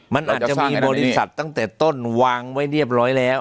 มันอาจจะมีบริษัทตั้งแต่ต้นวางไว้เรียบร้อยแล้ว